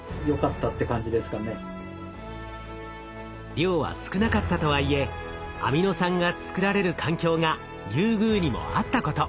量は少なかったとはいえアミノ酸が作られる環境がリュウグウにもあったこと。